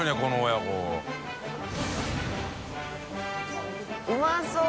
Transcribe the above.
次うまそう！